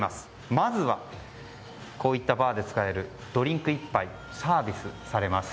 まずはこういったバーで使えるドリンクが１杯サービスされます。